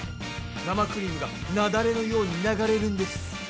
生クリームがなだれのように流れるんです。